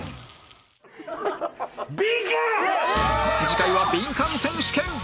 次回はビンカン選手権